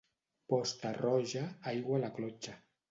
Posta roja, aigua a la clotxa.